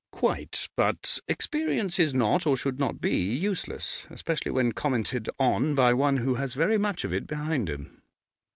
'Quite. But experience is not, or should not be, useless, especially when commented on by one who has very much of it behind him.